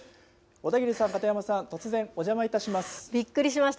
小田切さん、片山さん、突然、おびっくりしました。